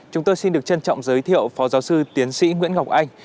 chúng tôi xin được trân trọng giới thiệu phó giáo sư tiến sĩ nguyễn ngọc anh